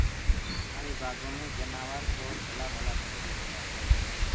رآڻي بآگو مي جآنور اور پکي ڀلآ ڀلآ هوندآ هينٚ۔